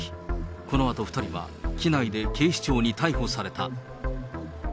このあと２人は、機内で警視庁に逮捕された。